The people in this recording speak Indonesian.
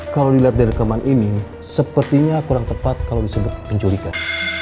kalau dilihat dari rekaman ini sepertinya kurang tepat kalau disebut penculikan